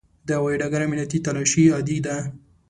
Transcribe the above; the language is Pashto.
د هوایي ډګر امنیتي تلاشي عادي ده.